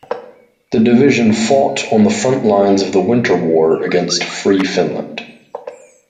The division fought on the front lines of the Winter War against free Finland.